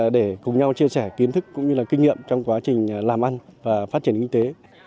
để cùng nhau chia sẻ kiến thức cũng như là kinh nghiệm trong quá trình làm ăn và phát triển kinh tế